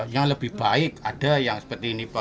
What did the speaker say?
yang lebih baik ada yang lebih enak ada yang lebih enak